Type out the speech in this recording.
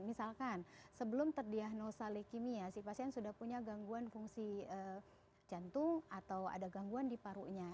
misalkan sebelum terdiagnosa leukemia si pasien sudah punya gangguan fungsi jantung atau ada gangguan di parunya